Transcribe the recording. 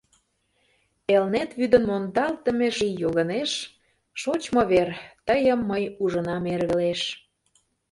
Элнет вӱдын мондалтдыме ший йогынеш, Шочмо вер, тыйым мый ужынам эр велеш.